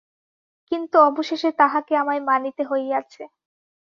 কিন্তু অবশেষে তাঁহাকে আমায় মানিতে হইয়াছে।